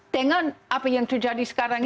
dengan apa yang terjadi sekarang